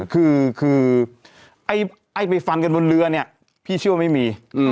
คือไอ้ไปฟันกันบนเรือเนี่ยพี่เชื่อว่าไม่มี